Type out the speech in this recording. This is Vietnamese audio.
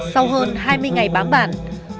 sau hơn hai mươi ngày bán bản